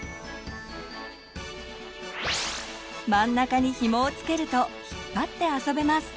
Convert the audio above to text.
真ん中にひもをつけると引っぱって遊べます。